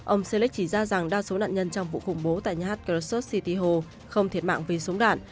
ông selik chỉ ra rằng đa số nạn nhân trong vụ khủng bố tại nhà hát crosso city hồ không thiệt mạng vì súng đạn